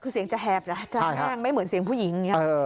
คือเสียงจะแหบเหรอจะแห้งไม่เหมือนเสียงผู้หญิงอย่างนี้